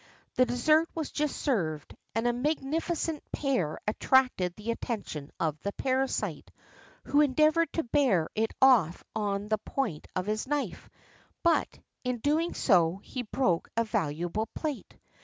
The dessert was just served, and a magnificent pear attracted the attention of the parasite, who endeavoured to bear it off on the point of his knife, but, in so doing, he broke a valuable plate.